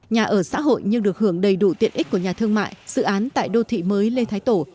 nhà ở xã hội nhưng được hưởng đầy đủ tiện ích của nhà thương mại dự án tại đô thị mới lê thái tổ